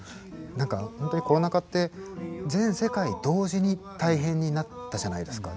何かほんとにコロナ禍って全世界同時に大変になったじゃないですか。